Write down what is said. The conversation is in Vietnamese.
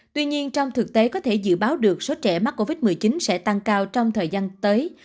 tuy nhiên trong thực tế có thể dự báo được số trẻ mắc covid một mươi chín sẽ tăng cao trong thời gian tới